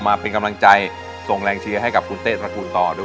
มาเป็นกำลังใจส่งแรงเชียร์ให้กับคุณเต้ตระกูลต่อด้วย